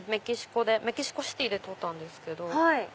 メキシコシティーで撮ったんですけど。